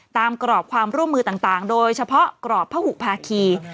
กรอบความร่วมมือต่างโดยเฉพาะกรอบพระหุภาคี